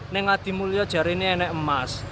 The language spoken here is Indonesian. neng adimulio jari ini enak emas